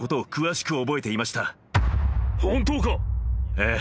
ええ。